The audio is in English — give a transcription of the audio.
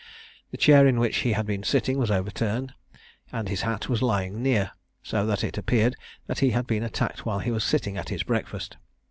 The chair in which he had been sitting was overturned, and his hat was lying near, so that it appeared that he had been attacked while he was sitting at his breakfast.